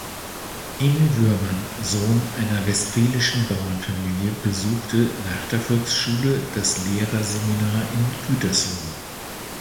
Emil Woermann, Sohn einer westfälischen Bauernfamilie, besuchte nach der Volksschule das Lehrerseminar in Gütersloh.